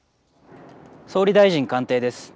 総理大臣官邸です。